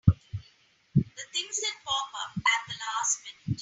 The things that pop up at the last minute!